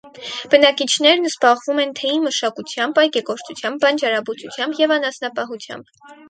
Բնակիչներն զբաղվում են թեյի մշակությամբ, այգեգործությամբ, բանջարաբուծությամբ և անասնապահությամբ։